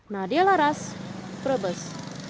nadia laras brebes